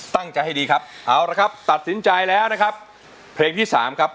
ตั้งใจให้ดีครับเอาละครับตัดสินใจแล้วนะครับเพลงที่สามครับ